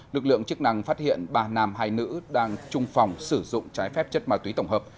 lực lượng chức năng phát hiện ba nam hai nữ đang trung phòng sử dụng trái phép chất ma túy tổng hợp